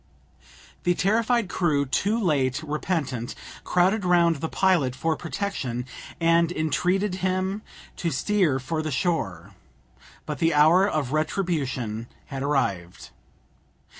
The terrified crew, too late repentant, crowded round the pilot for protection, and entreated him to steer for the shore. But the hour of retribution had arrived.